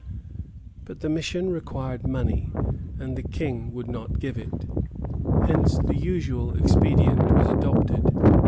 But the mission required money, and the King would not give it. Hence the usual expedient was adopted.